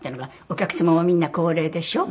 お客様もみんな高齢でしょ？